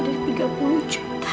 dari tiga puluh juta